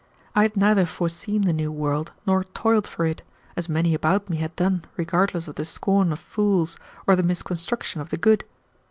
I had neither foreseen the new world nor toiled for it, as many about me had done regardless of the scorn of fools or the misconstruction of the good.